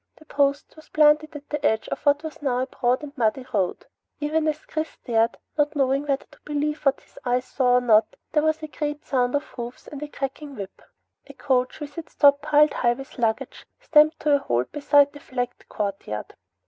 The post was planted at the edge of what was now a broad and muddy road. Even as Chris stared, not knowing whether to believe what his eyes saw or not, there was a great sound of hoofs and of a cracking whip. A coach with its top piled high with luggage stamped to a halt beside the flagged courtyard.